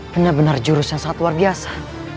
benar benar jurus yang sangat luar biasa